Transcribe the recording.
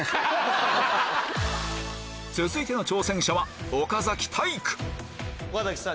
続いての挑戦者は岡崎体育岡崎さん